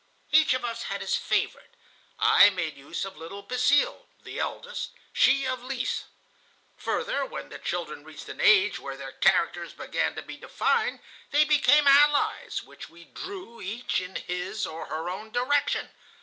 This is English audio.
Each of us had his favorite. I made use of little Basile (the eldest), she of Lise. Further, when the children reached an age where their characters began to be defined, they became allies, which we drew each in his or her own direction.